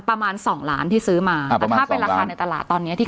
ประมาณสองล้านที่ซื้อมาแต่ถ้าเป็นราคาในตลาดตอนเนี้ยที่